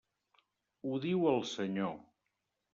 Ho diu el Senyor.